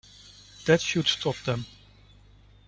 That should stop them.